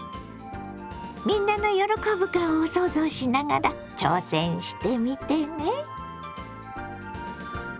みんなの喜ぶ顔を想像しながら挑戦してみてね。